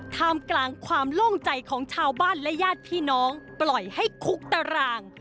ท่ามกลางความโล่งใจของชาวบ้านและญาติพี่น้องปล่อยให้คุกตาราง